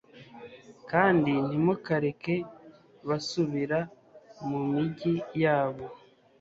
kandi ntimukareke basubira mu migi yabo